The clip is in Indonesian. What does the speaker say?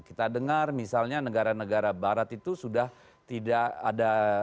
kita dengar misalnya negara negara barat itu sudah tidak ada